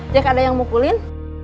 cek ada yang mukulin